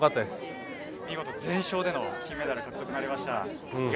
全勝での金メダル獲得となりました。